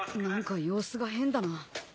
何か様子が変だな。